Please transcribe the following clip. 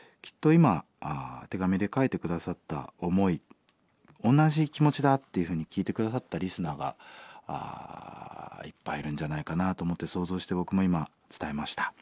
今手紙で書いて下さった思い同じ気持ちだっていうふうに聴いて下さったリスナーがいっぱいいるんじゃないかなと思って想像して僕も今伝えました。